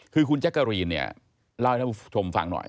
คือคุณแจ๊กกะรีนเนี่ยเล่าให้ท่านผู้ชมฟังหน่อย